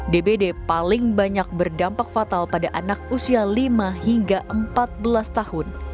dbd paling banyak berdampak fatal pada anak usia lima hingga empat belas tahun